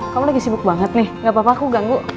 kamu lagi sibuk banget nih gapapa aku ganggu